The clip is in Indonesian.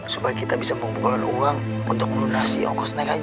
supaya kita bisa mengumpulkan uang untuk melunasi ongkos naik haji